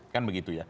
kan begitu ya